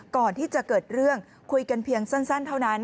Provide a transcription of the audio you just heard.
ก่อนที่จะเกิดเรื่องคุยกันเพียงสั้นเท่านั้น